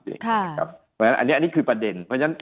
เพราะฉะนั้นอันนี้คือประเด็น